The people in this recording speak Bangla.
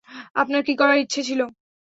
আপনার কী করার ইচ্ছা, ছিল?